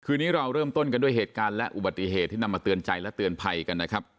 นี้เราเริ่มต้นกันด้วยเหตุการณ์และอุบัติเหตุที่นำมาเตือนใจและเตือนภัยกันนะครับ